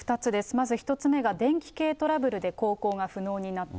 まず１つ目が電気系トラブルで航行が不能になった。